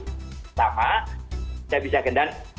pertama kita bisa kendalikan